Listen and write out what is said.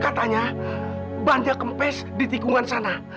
katanya banja kempes di tikungan sana